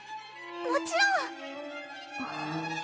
もちろん！